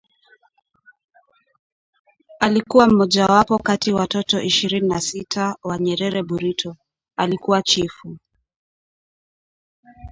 Alikuwa mmojawapo kati watoto ishirin na sita wa Nyerere Burito, alikua chifu